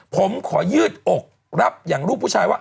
ผมขอยืดอกรับอย่างรูปผู้ชายว่า